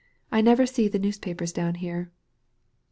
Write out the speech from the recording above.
I never see the newspapers down here."